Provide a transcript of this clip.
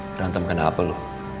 berantem kena apa lu